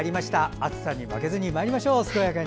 暑さに負けずに健やかにまいりましょう。